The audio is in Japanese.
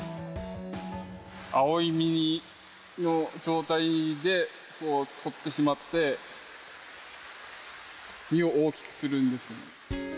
青い実の状態で取ってしまって、実を大きくするんです。